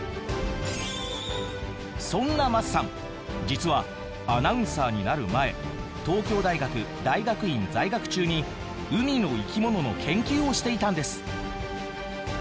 そんな桝さん実はアナウンサーになる前東京大学大学院在学中に海の生き物の研究をしていたんです。